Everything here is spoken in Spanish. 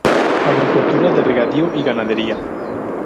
Agricultura de regadío y ganadería.